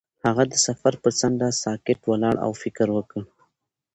هغه د سفر پر څنډه ساکت ولاړ او فکر وکړ.